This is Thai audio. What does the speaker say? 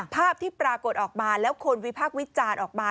ภาพที่ปรากฏออกมาแล้วคนวิพากษ์วิจารณ์ออกมา